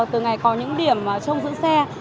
từ ngày có những điểm trong giữ xe